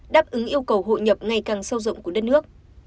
đáp ứng yêu cầu hội nhập ngày càng sâu rộng của đất nước